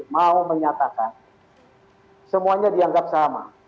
mau menyatakan semuanya dianggap sama